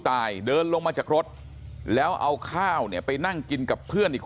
เดินลงมาจากรถแล้วเอาข้าวเนี่ยไปนั่งกินกับเพื่อนอีกคน